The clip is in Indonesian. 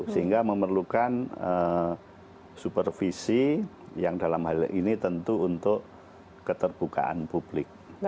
sehingga memerlukan supervisi yang dalam hal ini tentu untuk keterbukaan publik